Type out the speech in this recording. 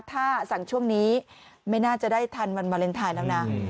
ถ้าสั่งช่วงนี้ไม่น่าจะได้ทันวันวาเลนไทยแล้วนะ